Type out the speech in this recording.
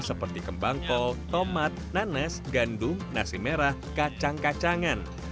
seperti kembang kol tomat nanas gandum nasi merah kacang kacangan